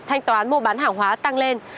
thanh toán mua bán hàng hóa tăng lên